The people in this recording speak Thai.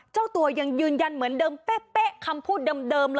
เจ้าตัวยังยืนยันเหมือนเดิมเป๊ะคำพูดเดิมเลย